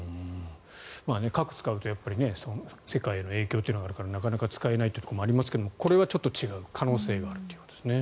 核を使うと世界への影響があるからなかなか使えないというところもありますがこれはちょっと違う可能性があるということですね。